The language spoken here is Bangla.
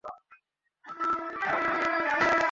তুমি বুঝতেই পারছি, সে যা দেখত, তা হেলুসিনেশন।